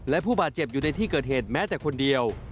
และผู้บาดเจ็บอยู่ในที่เกิดเหตุแม้แต่คนเดียว